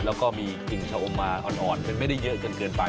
แล้วก็มีกลิ่นชะอมมาอ่อนมันไม่ได้เยอะจนเกินไป